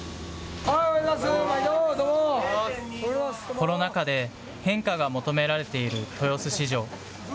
コロナ禍で変化が求められている豊洲市場。